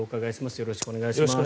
よろしくお願いします。